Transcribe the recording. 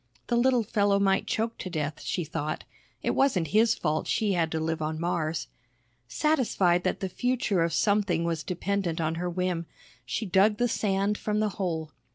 The little fellow might choke to death, she thought, it wasn't his fault she had to live on Mars. Satisfied that the future of something was dependent on her whim, she dug the sand from the hole.